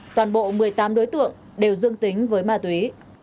toàn bộ một mươi tám đối tượng đều dương tính với ma túy